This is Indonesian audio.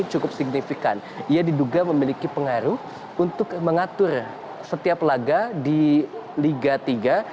cukup signifikan ia diduga memiliki pengaruh untuk mengatur setiap laga di liga tiga